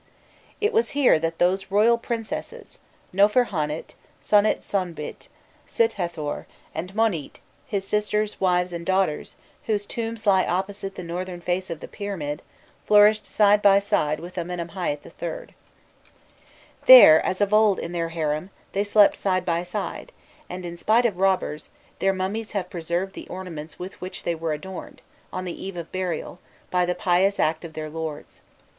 It was here that those royal princesses, Nofirhonît, Sonît Sonbît, Sîthâthor, and Monît, his sisters, wives, and daughters, whose tombs lie opposite the northern face of the pyramid, flourished side by side with Amenemhâît III. [Illustration: 394.jpg PAINTING AT THE ENTRANCE OF THE FIFTH TOMB] There, as of old in their harem, they slept side by side, and, in spite of robbers, their mummies have preserved the ornaments with which they were adorned, on the eve of burial, by the pious act of their lords.